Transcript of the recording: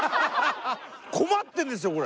困ってるんですよこれ。